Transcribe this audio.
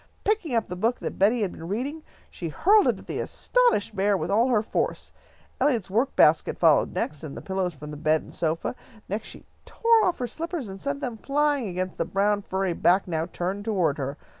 Picking up the book that Betty had been reading, she hurled it at the astonished bear with all her force. Eliot's work basket followed next, and the pillows from the bed and sofa. Next she tore off her slippers, and sent them flying against the brown furry back now turned toward her.